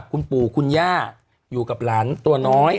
คุณปู่คุณย่าอยู่กับหลานตัวน้อย